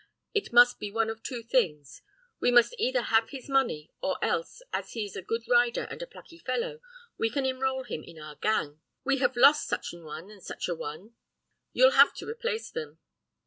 It must be one of two things: we must either have his money, or else, as he is a good rider and a plucky fellow, we can enroll him in our gang. We have lost such an one an such an one; you'll have to replace them.